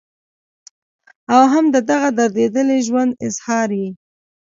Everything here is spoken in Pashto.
او هم د دغه درديدلي ژوند اظهار ئې